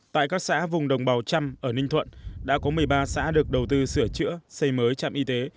tại các xã vùng đồng bào trăm ở ninh thuận đã có một mươi ba xã được đầu tư sửa chữa xây mới trạm y tế